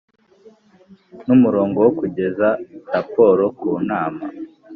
n umurongo wo kugeza raporo ku Nama